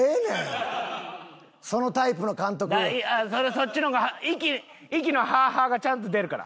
そっちの方が息の「ハアハア」がちゃんと出るから。